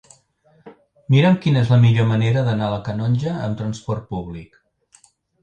Mira'm quina és la millor manera d'anar a la Canonja amb trasport públic.